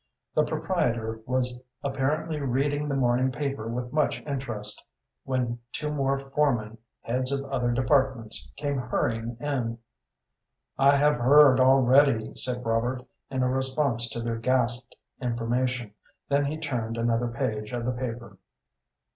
The proprietor was apparently reading the morning paper with much interest, when two more foremen, heads of other departments, came hurrying in. "I have heard already," said Robert, in response to their gasped information. Then he turned another page of the paper.